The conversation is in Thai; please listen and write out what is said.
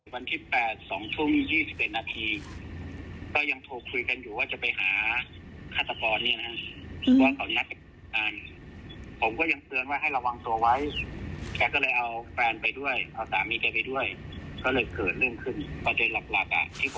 วันที่๘๒ชั่วโมง๒๑นาทีก็ยังโทรคุยกันอยู่ว่าจะไปหาฆาตกรเนี่ยนะ